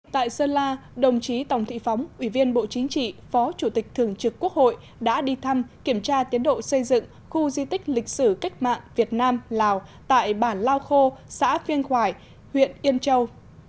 tại sơn la đồng chí tòng thị phóng ủy viên bộ chính trị phó chủ tịch thường trực quốc hội đã đi thăm kiểm tra tiến độ xây dựng khu di tích lịch sử cách mạng việt nam lào tại bản lao khô xã phiêng khoài huyện yên châu